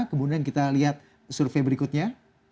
kemudian kita lihat survei berikutnya